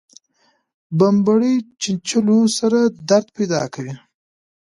بمبړې چیچلو سره درد پیدا کوي